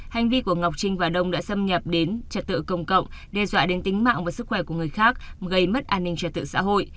hành vi của ngọc trinh và đông đã xâm nhập đến trật tự công cộng đe dọa đến tính mạng và sức khỏe của người khác gây mất an ninh trật tự xã hội